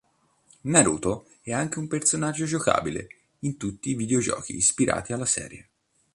Naruto è anche un personaggio giocabile in tutti i videogiochi ispirati alla serie.